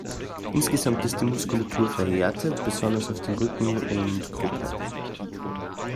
Insgesamt ist die Muskulatur verhärtet, besonders auf Rücken und Kruppe.